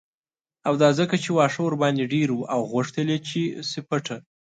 او دا ځکه چې واښه ورباندې ډیر و او غوښتل یې چې شي پټه